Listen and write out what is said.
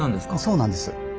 そうなんです。